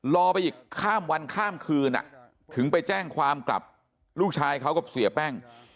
รอไปอีกข้ามวันข้ามคืนถึงไปแจ้งความกลับลูกชายเขากับเสียแป้ง